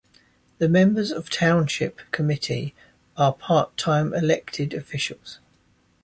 The members of Township Committee are part-time elected officials.